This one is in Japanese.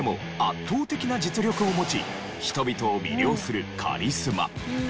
圧倒的な実力を持ち人々を魅了するカリスマ。